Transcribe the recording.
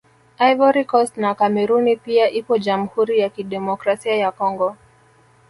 Ivory Coast na Kameruni pia ipo Jamhuri ya Kidemokrasia ya Congo